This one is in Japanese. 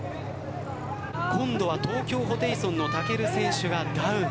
今度は東京ホテイソンのたける選手がダウン。